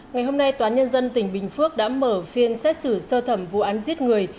ngày hôm nay toán nhân dân tỉnh bình phước đã mở phiên xét xử sơ thẩm vụ án giết người